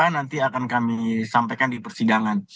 itu yang akan kami sampaikan di persidangan